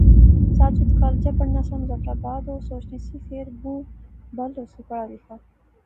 ساجد کالج پڑھنا سا، مظفرآباد، او سوچنی سی، فیر بہوں بل ہوسی پڑھا لیغا